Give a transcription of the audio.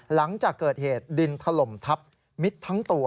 หลังจากเกิดเหตุดินถล่มทับมิดทั้งตัว